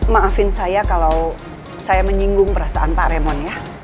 maafin saya kalau saya menyinggung perasaan pak remon ya